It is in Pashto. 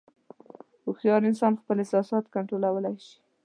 هوښیار انسان خپل احساسات کنټرولولی شي.